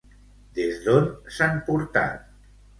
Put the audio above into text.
Des d'on s'han portat?